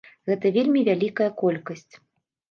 Гэта вельмі вялікая колькасць.